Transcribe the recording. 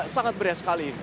sangat beres sekali